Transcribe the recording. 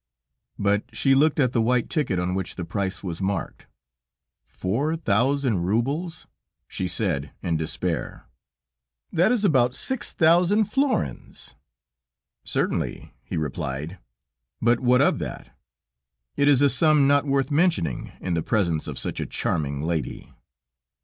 But she looked at the white ticket on which the price was marked. "Four thousand roubles," she said in despair; "that is about six thousand florins." "Certainly," he replied, "but what of that? It is a sum not worth mentioning in the presence of such a charming lady."